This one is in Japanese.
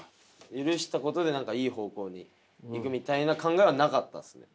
許したことで何かいい方向にいくみたいな考えはなかったですね。